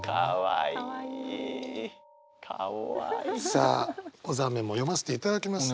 さあ小沢メモ読ませていただきます。